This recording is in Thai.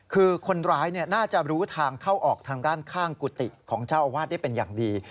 คือคนร้ายน่าจะรู้ทางเข้าออกทางด้านข้างกุฏิของเจ้าอาวาสได้เป็นอย่างดี